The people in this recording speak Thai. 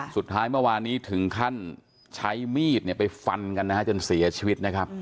สุดท้ายเมื่อวานนี้ถึงขั้นใช้มีดไปฟันกันนะฮะจนเสียชีวิตนะครับ